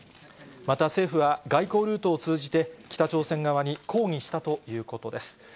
また政府は、外交ルートを通じて、北朝鮮側に抗議したということです。